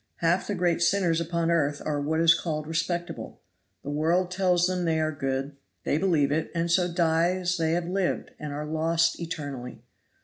Half the great sinners upon earth are what is called respectable. The world tells them they are good they believe it, and so die as they have lived, and are lost eternally.